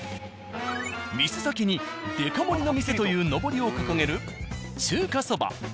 店先に「デカ盛りの店」というのぼりを掲げる。